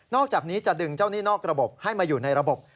อกจากนี้จะดึงเจ้าหนี้นอกระบบให้มาอยู่ในระบบ